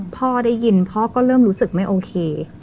พ่อได้ยินพ่อก็เริ่มรู้สึกไม่โอเค